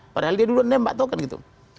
padahal dia dulu menembak tau kan gitu